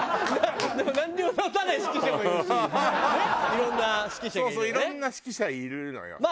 いろんな指揮者がいるよね。